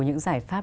những giải pháp